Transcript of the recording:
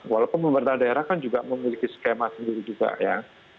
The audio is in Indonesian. walaupun pemerintah daerah kan juga memiliki skema sendiri juga ya